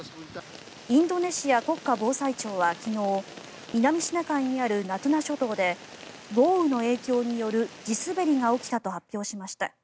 インドネシア国家防災庁は昨日南シナ海にあるナトゥナ諸島で豪雨の影響による地滑りが起きたと発表しました。